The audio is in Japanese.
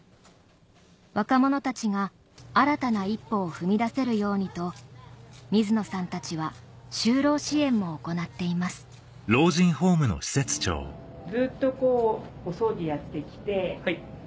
若者たちが新たな一歩を踏み出せるようにと水野さんたちは就労支援も行っていますですね。